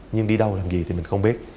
nhưng đi đâu làm gì thì mình không biết